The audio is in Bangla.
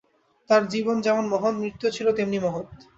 তাঁর জীবন যেমন মহৎ, মৃত্যুও ছিল তেমনি মহৎ।